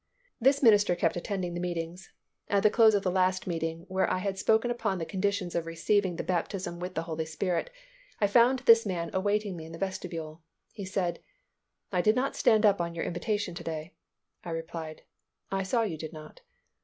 This minister kept attending the meetings. At the close of the last meeting where I had spoken upon the conditions of receiving the baptism with the Holy Spirit, I found this man awaiting me in the vestibule. He said, "I did not stand up on your invitation to day." I replied, "I saw you did not."